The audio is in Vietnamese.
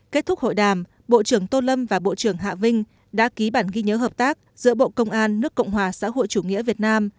kết thúc hội đàm bộ trưởng tô lâm và bộ trưởng hạ vinh đã ký bản ghi nhớ hợp tác giữa bộ công an nước cộng hòa xã hội chủ nghĩa việt nam